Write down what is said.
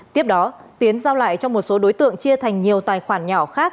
tiếp đó tiến giao lại cho một số đối tượng chia thành nhiều tài khoản nhỏ khác